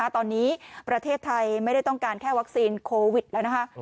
ตอนนี้ประเทศไทยไม่ได้ต้องการแค่วัคซีนโควิดแล้วนะคะ